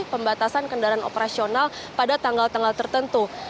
pembatasan kendaraan operasional pada tanggal tanggal tertentu